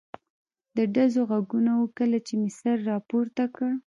د ډزو غږونه و، کله چې مې سر را پورته کړ.